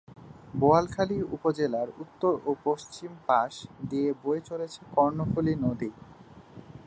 বোয়ালখালী উপজেলার উত্তর ও পশ্চিম পাশ দিয়ে বয়ে চলেছে কর্ণফুলী নদী।